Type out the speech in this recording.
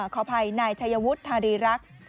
ขออภัยนายชัยวุฒิธารีรักษ์